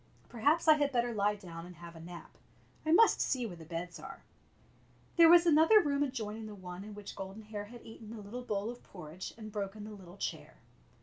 Perhaps I had better lie down and have a nap. I must see where the beds are," There was another room adjoining the one in which Golden Hair had eaten the little bowl of porridge and broken the little chair.